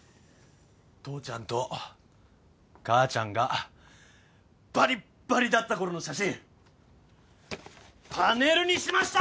父ちゃんと母ちゃんがバリッバリだったころの写真パネルにしました！